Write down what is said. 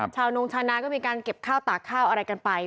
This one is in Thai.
นงชานาก็มีการเก็บข้าวตากข้าวอะไรกันไป